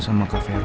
sama kak vero